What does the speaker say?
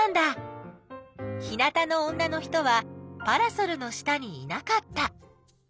日なたの女の人はパラソルの下にいなかった。